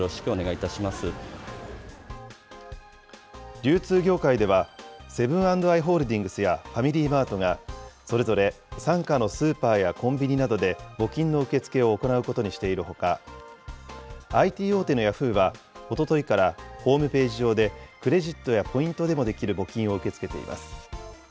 流通業界では、セブン＆アイ・ホールディングスやファミリーマートが、それぞれ傘下のスーパーやコンビニなどで、募金の受け付けを行うことにしているほか、ＩＴ大手のヤフーは、おとといからホームページ上でクレジットやポイントでもできる募金を受け付けています。